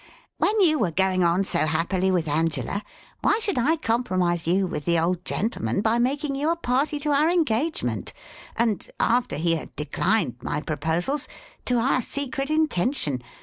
When you were going on so happily with Angela, why should I compromise you with the old gentleman by making you a party to our engagement, and (after he had declined my proposals) to our secret intention?